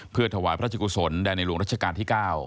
เพื่อถวายพระราชกุศลแด่ในหลวงรัชกาลที่๙